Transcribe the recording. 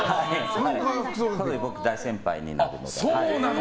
僕、大先輩になるので。